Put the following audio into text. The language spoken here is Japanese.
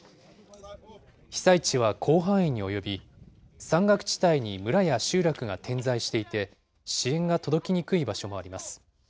被災地は広範囲に及び、山岳地帯に村や集落が点在していて、支援が届きにくい場所もあります。